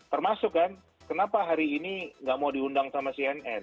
termasuk kan kenapa hari ini nggak mau diundang sama cnn